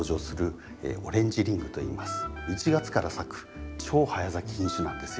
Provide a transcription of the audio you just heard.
１月から咲く超早咲き品種なんですよ。